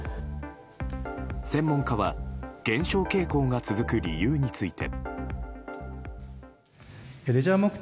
専門家は減少傾向が続く理由について。